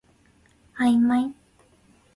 あいまい